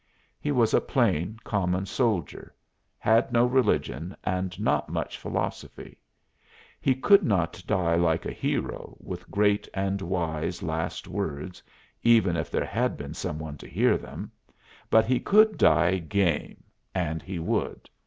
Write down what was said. He was a plain, common soldier, had no religion and not much philosophy; he could not die like a hero, with great and wise last words, even if there had been some one to hear them, but he could die "game," and he would.